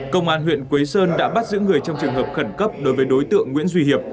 công an huyện quế sơn đã bắt giữ người trong trường hợp khẩn cấp đối với đối tượng nguyễn duy hiệp